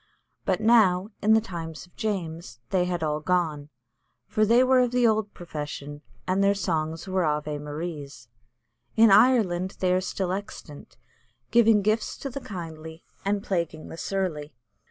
But now, in the times of James, they had all gone, for "they were of the old profession," and "their songs were Ave Maries." In Ireland they are still extant, giving gifts to the kindly, and plaguing the surly.